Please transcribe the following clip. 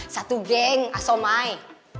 satu geng asomai